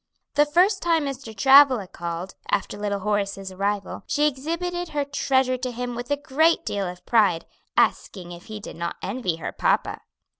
The first time Mr. Travilla called, after little Horace's arrival, she exhibited her treasure to him with a great deal of pride, asking if he did not envy her papa.